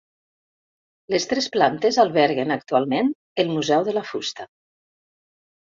Les tres plantes alberguen actualment el Museu de la Fusta.